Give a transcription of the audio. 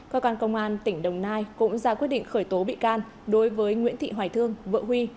cơ quan công an tỉnh đồng nai cũng ra quyết định khởi tố bị can đối với nguyễn thị hoài thương vợ huy